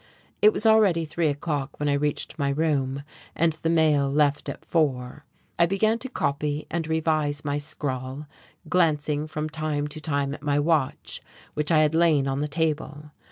It was already three o'clock when I reached my room, and the mail left at four. I began to copy and revise my scrawl, glancing from time to time at my watch, which I had laid on the table.